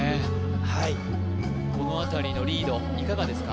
はいこのあたりのリードいかがですか？